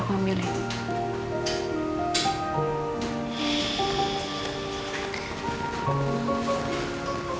kamu udah pulang din